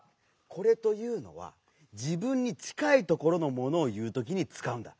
「これ」というのはじぶんにちかいところのものをいうときにつかうんだ。